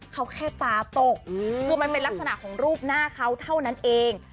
เขาแค่ตาตกคือมันเป็นลักษณะของรูปหน้าเขาเท่านั้นเอง